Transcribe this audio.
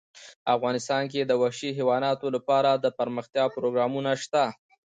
افغانستان کې د وحشي حیواناتو لپاره دپرمختیا پروګرامونه شته.